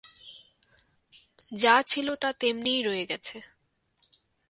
যা ছিল তা তেমনিই রয়ে গেছে।